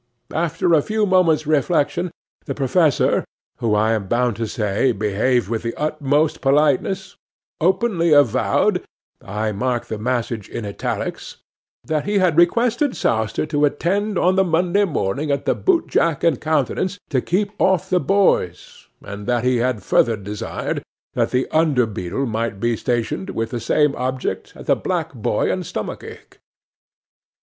After a few moments' reflection, the Professor, who, I am bound to say, behaved with the utmost politeness, openly avowed (I mark the passage in italics) that he had requested Sowster to attend on the Monday morning at the Boot jack and Countenance, to keep off the boys; and that he had further desired that the under beadle might be stationed, with the same object, at the Black Boy and Stomach ache!